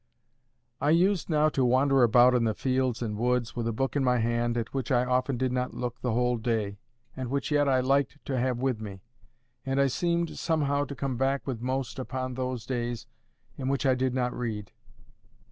I used now to wander about in the fields and woods, with a book in my hand, at which I often did not look the whole day, and which yet I liked to have with me. And I seemed somehow to come back with most upon those days in which I did not read.